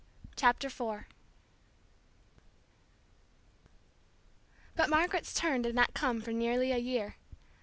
CHAPTER IV But Margaret's turn did not come for nearly a year.